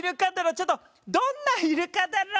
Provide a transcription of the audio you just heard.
ちょっとどんなイルカだろう？